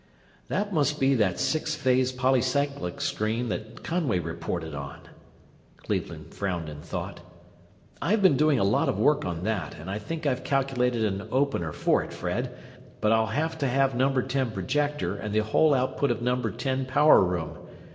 "That must be that sixth phase polycyclic screen that Conway reported on," Cleveland frowned in thought. "I've been doing a lot of work on that, and I think I've calculated an opener for it, Fred, but I'll have to have number ten projector and the whole output of number ten power room.